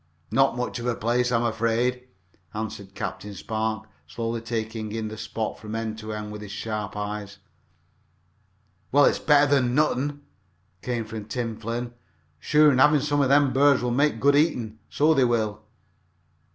"Not much of a place, I am afraid," answered Captain Spark, slowly taking in the spot from end to end with his sharp eyes. "Well, it's better nor nuthin," came from Tim Flynn. "Sure, an' some av thim burds will make good eatin', so they will!"